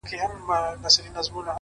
د دوزخي حُسن چيرمني جنتي دي کړم!